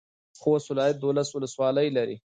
خوست ولایت دولس ولسوالۍ لري.